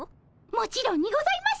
もちろんにございます！